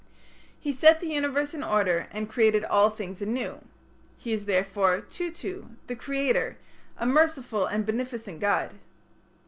He set the Universe in order, and created all things anew. He is therefore Tutu, "the creator", a merciful and beneficent god.